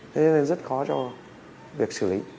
thế nên rất khó cho việc xử lý